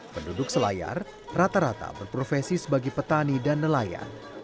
penduduk selayar rata rata berprofesi sebagai petani dan nelayan